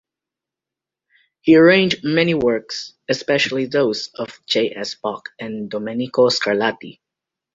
He arranged many works, especially those of J. S. Bach and Domenico Scarlatti.